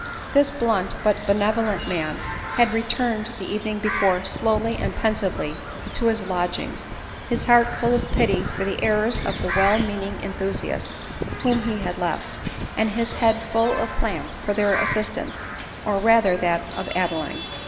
This blunt but benevolent man had returued the evening before slowly and pensively to his lodgings, his heart full of pity for the errors of the well meaning enthusiasts whom he had left, and his head full of plans for their assistance, or rather for that of Adeline.